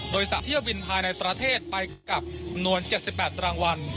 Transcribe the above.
โดยสระเที่ยวบินภายในประเทศไปกับจำนวน๗๘รางวัล